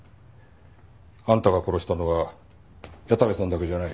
あんたが殺したのは矢田部さんだけじゃない。